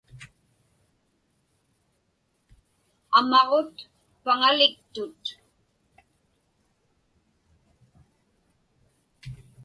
Amaġut paŋaliktut.